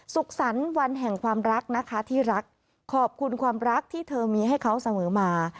สุขสรรค์วันแห่งความรักนะคะที่รักขอบคุณความรักที่เธอมีให้เขาเสมอมา